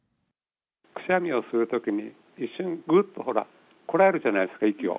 くしゃみをするときに、一瞬、ぐっとほら、こらえるじゃないですか、息を。